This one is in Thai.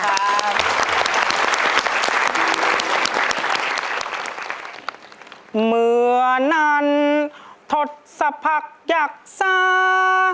เมื่อนั้นทดสะผักยักษา